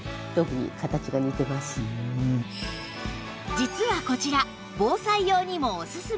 実はこちら防災用にもおすすめ